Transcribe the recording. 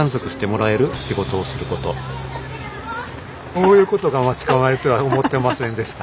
こういうことが待ち構えるとは思ってませんでした。